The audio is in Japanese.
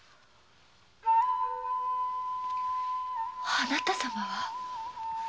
あなた様は？